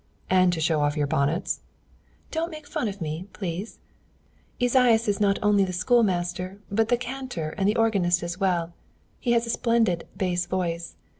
"And to show off your new bonnets." "Don't make fun of me, please. Esaias is not only the schoolmaster, but the cantor and the organist as well. He has a splendid bass voice.